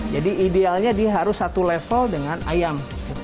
jadi idealnya dia harus satu level dengan ayam